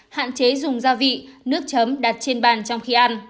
hạn chế dùng gia vị nước chấm đặt trên bàn trong khi ăn